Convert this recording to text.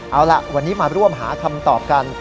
เอาล่ะวันนี้มาร่วมหาคำตอบกัน